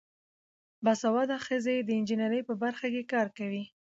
باسواده ښځې د انجینرۍ په برخه کې کار کوي.